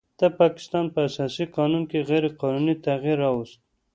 د پاکستان په اساسي قانون کې غیر قانوني تغیر راوست